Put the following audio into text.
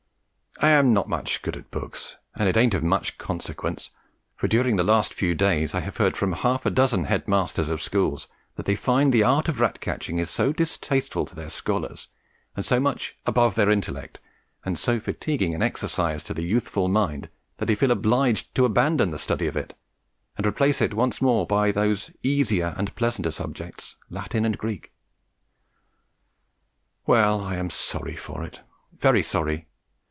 I am not much good at books, and it ain't of much consequence, for during the last few days I have heard from half a dozen head masters of schools that they find the art of rat catching is so distasteful to their scholars, and so much above their intellect, and so fatiguing an exercise to the youthful mind, that they feel obliged to abandon the study of it and replace it once more by those easier and pleasanter subjects, Latin and Greek. Well, I am sorry for it, very sorry.